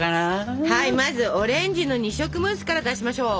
まずオレンジの二色ムースから出しましょう。